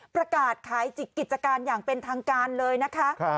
ประกาศคลายประกาศคลายกิจการอย่างเป็นทางการเลยนะฮะ